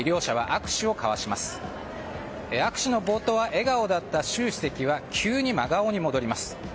握手の冒頭は笑顔だった習主席は急に真顔に戻ります。